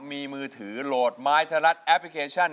มีมือถือโหลดไม้ชะลัดแอปพลิเคชัน